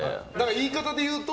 言い方で言うと？